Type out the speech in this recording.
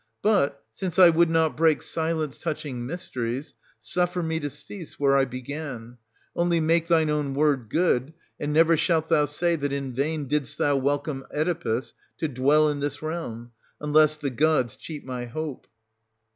But, since I would not break silence touching mys teries, suffer me to cease where I began; only make thine own word good, and never shalt thou say that in vain didst thou welcome Oedipus to dwell in this realm, — unless the gods cheat my hope.